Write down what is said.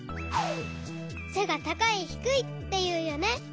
せが「たかい」「ひくい」っていうよね。